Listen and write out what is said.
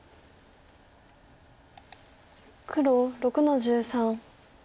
黒６の十三。